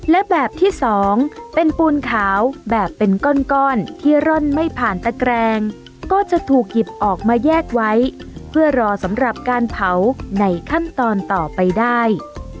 และแบบที่สองเป็นปูนขาวแบบเป็นก้อนที่ร่อนไม่ผ่านตะแกรงก็จะถูกหยิบออกมาแยกไว้เพื่อรอสำหรับการเผาในขั้นตอนต่อไปได้